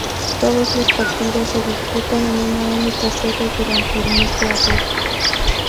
Todos los partidos se disputan en una única sede durante el mes de agosto.